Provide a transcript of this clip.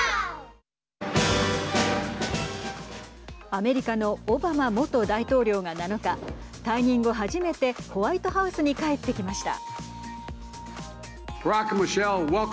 アメリカのオバマ元大統領が７日退任後、初めてホワイトハウスに帰ってきました。